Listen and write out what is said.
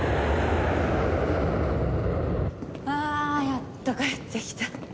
やっと帰ってきた。